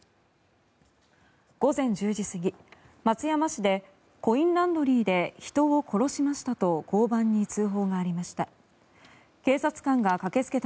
午前１０時過ぎ、松山市でコインランドリーで人を殺しましたと交番に通報がありました。